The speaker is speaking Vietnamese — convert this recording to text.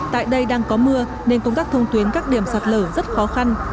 tại đây đang có mưa nên công tác thông tuyến các điểm sạt lở rất khó khăn